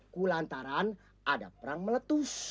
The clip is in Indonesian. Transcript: kulantaran ada perang meletus